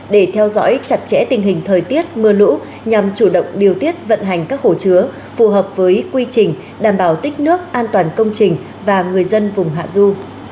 để theo dõi chặt chẽ tình hình thời tiết mưa lũ nhằm chủ động điều tiết vận hành các hồ chứa phù hợp với quy trình đảm bảo tích nước an toàn công trình và người dân vùng hạ du